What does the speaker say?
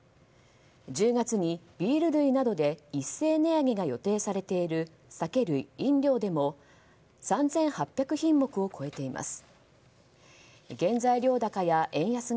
１０月にビール類などで一斉値上げが予定されている酒類・飲料でも３８００品目を超えています。